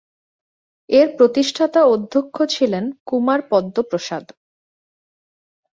এর প্রতিষ্ঠাতা অধ্যক্ষ ছিলেন কুমার পদ্ম প্রসাদ।